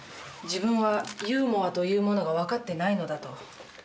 自分はユーモアというものが分かってないのだと。